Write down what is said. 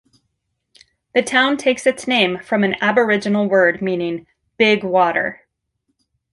The town takes its name from an Aboriginal word meaning "big water".